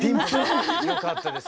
よかったです。